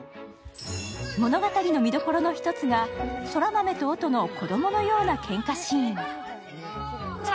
物語の見どころの１つが空豆と音の子供のようなけんかシーン。